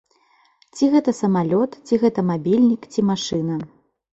Ці гэта самалёт, ці гэта мабільнік, ці машына.